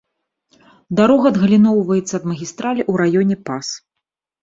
Дарога адгаліноўваецца ад магістралі у раёне пас.